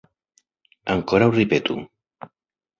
Ankoraŭ ripetu.